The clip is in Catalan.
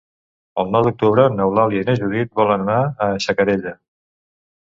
El nou d'octubre n'Eulàlia i na Judit volen anar a Xacarella.